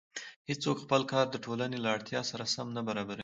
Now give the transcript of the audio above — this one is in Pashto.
هېڅوک خپل کار د ټولنې له اړتیا سره سم نه برابروي